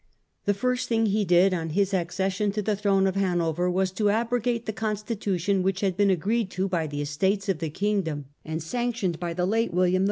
The first thing he did on his accession to the throne of Hanover was to abrogate the constitution which had been agreed to by the Estates of the kingdom, and sanctioned by the late King, William IV.